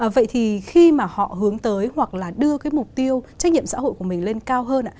vậy thì khi mà họ hướng tới hoặc là đưa cái mục tiêu trách nhiệm xã hội của mình lên cao hơn ạ